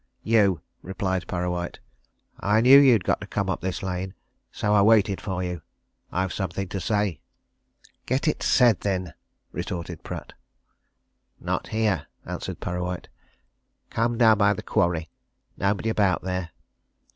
"You," replied Parrawhite. "I knew you'd got to come up this lane, so I waited for you. I've something to say." "Get it said, then!" retorted Pratt. "Not here," answered Parrawhite. "Come down by the quarry nobody about there."